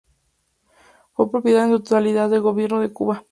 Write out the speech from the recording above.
Fue propiedad en su totalidad del Gobierno de Cuba.